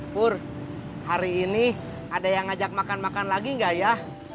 pur hari ini ada yang ajak makan makan lagi ga ya